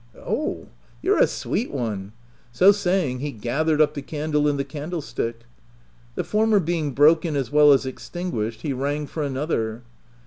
Oh, you're a sweet one !" so say ing, he gathered up the candle and the candle stick. The former being broken as well as extinguished, he rang for another.